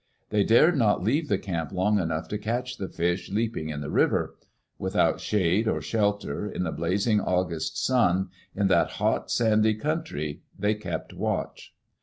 They dared not leave the camp long enough to catch the fish leaping in the river. Without shade or shelter, in the blazing August sun, in that hot, sandy country, they kept watch.